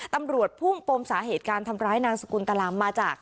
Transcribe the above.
ตำรวจพุ่งปมสาเหตุการทำร้ายนางสกุลตลามมาจาก